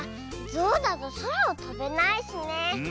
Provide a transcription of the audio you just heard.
ゾウだとそらをとべないしね。